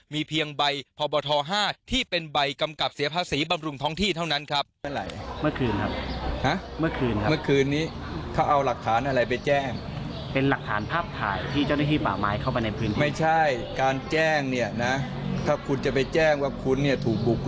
มีเพียงใบพบท๕ที่เป็นใบกำกับเสียภาษีบำรุงท้องที่เท่านั้นครับ